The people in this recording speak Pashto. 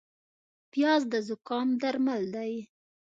پیاز د زکام درمل دی